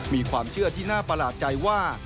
มีความเชื่อที่น่าประหลาดใจว่า